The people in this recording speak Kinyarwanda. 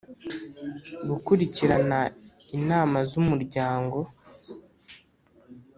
gukurikirana inama z umuryango